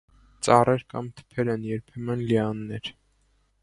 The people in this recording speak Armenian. Ծառեր կամ թփեր են, երբեմն՝ լիաններ։